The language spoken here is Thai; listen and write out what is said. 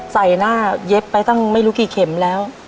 ใส่หน้าเย็บไปตั้งไม่รู้กี่เข็มแล้ว